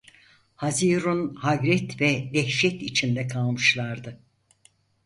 Hâzırûn hayret ve dehşet içinde kalmışlardı.